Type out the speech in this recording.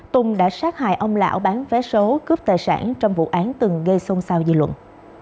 tùng đã sát hại ông lão bán vé số cướp tài sản trong vụ án từng gây xôn xao dư luận